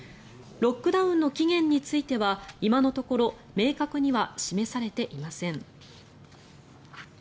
ロックダウンの期限については今のところ明確には示されていません。